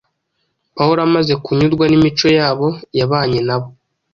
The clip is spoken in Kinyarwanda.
Pawulo amaze kunyurwa n’imico yabo “yabanye nabo.”